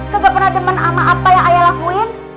kagak pernah demen sama apa yang ayah lakuin